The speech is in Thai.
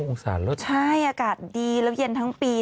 องศาลดใช่อากาศดีแล้วเย็นทั้งปี